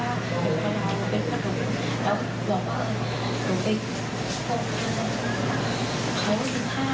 และก็จะเป็นเหตุผลที่จะเป็นผลของนางสาว